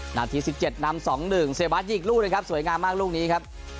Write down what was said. นาที๑๗นำ๒๑เซบาสยิงลูกนะครับสวยงามมากลูกนี้ครับ